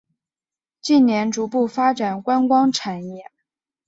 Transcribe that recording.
近年逐步发展观光产业。